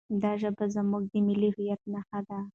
دا ژبه زموږ د ملي هویت نښه ده.